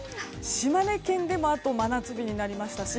島根県でも真夏日になりましたし